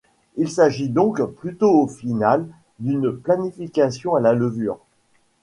Il s'agit donc plutôt au final d'une panification à la levure.